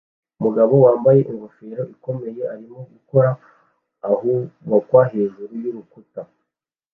Umugabo wambaye ingofero ikomeye arimo gukora ahubakwa hejuru y'urukuta